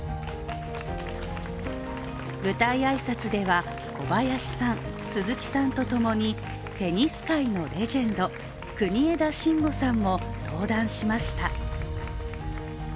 舞台挨拶では、小林さん、鈴木さんとともにテニス界のレジェンド国枝慎吾さんも登壇しました。